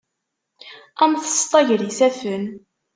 Am tseṭṭa gar yisaffen.